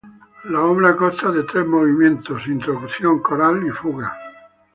La obra consta de tres movimientos: Introducción, Coral y Fuga.